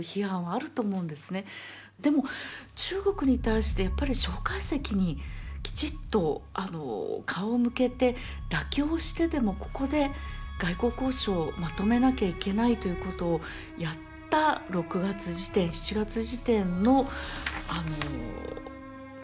でも中国に対してやっぱり蒋介石にきちっと顔を向けて妥協してでもここで外交交渉をまとめなきゃいけないということをやった６月時点７月時点のあの何でしょうね